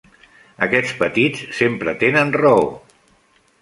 Aquests petits sempre tenen raó!